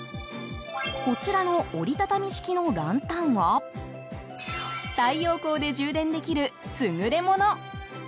こちらの折り畳み式のランタンは太陽光で充電できる優れもの。